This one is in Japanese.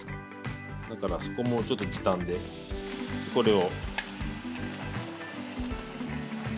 だからそこもちょっと時短でこれを。